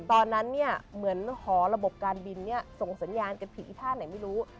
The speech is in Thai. ตอนนั้นเหมือนหอระบบการบินส่งสัญญาณกันผิดอีกท่านไหนไม่รู้